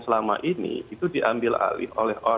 selama ini itu diambil alih oleh